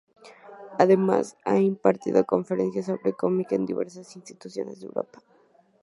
Además, ha impartido conferencias sobre cómic en diversas instituciones de Europa.